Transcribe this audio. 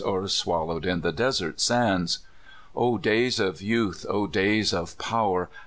Or swallowed in the desert sands. O davs of youth, O days of power.